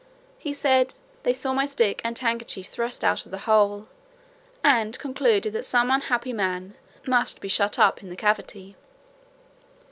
He said, "they saw my stick and handkerchief thrust out of the hole, and concluded that some unhappy man must be shut up in the cavity."